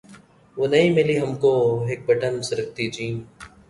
وہ نہیں ملی ہم کو ہک بٹن سرکتی جین